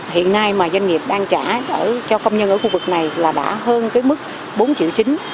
hiện nay mà doanh nghiệp đang trả cho công nhân ở khu vực này là đã hơn cái mức bốn triệu chứng